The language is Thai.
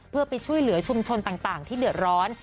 เพื่อไปช่วยเหลือชุมชนต่างที่เดือดร้อน